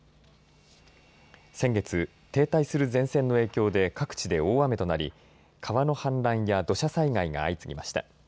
先月、停滞する前線の影響で各地で大雨となり川の氾濫や土砂災害が相次ぎました。